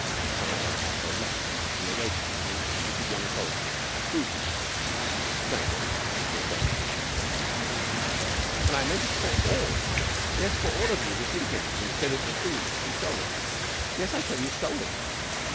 Or a fat old lady making oration against some wicked young soldiers who, she says, know what has happened to a certain bottle of wine. "And I meant it for all yes, for all of you this evening, instead of the thieves who stole it. Yes, I tell you stole it!"